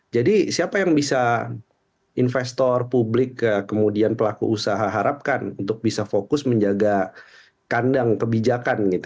jadi siapa yang bisa investor publik kemudian pelaku usaha harapkan untuk bisa fokus menjaga kandang kebijakan